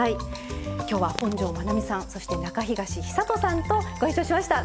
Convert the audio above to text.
今日は本上まなみさんそして中東久人さんとご一緒しました。